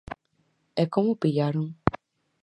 E como o pillaron?